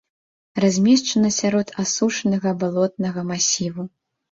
Размешчана сярод асушанага балотнага масіву.